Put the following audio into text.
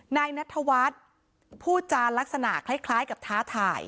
นายนัทธวัฒน์พูดจานลักษณะคล้ายกับท้าทาย